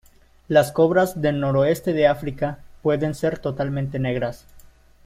Las cobras del noroeste de África pueden ser totalmente negras.